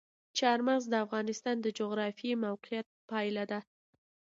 چار مغز د افغانستان د جغرافیایي موقیعت پایله ده.